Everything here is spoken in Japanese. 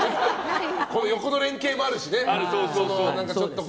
横の連係もあるしね。